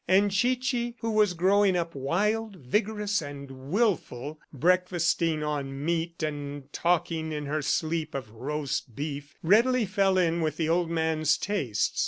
And Chichi, who was growing up wild, vigorous and wilful, breakfasting on meat and talking in her sleep of roast beef, readily fell in with the old man's tastes.